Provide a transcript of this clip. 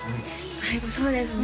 最後そうですね